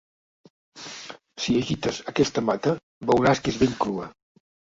Si agites aquesta mata veuràs que és ben crua.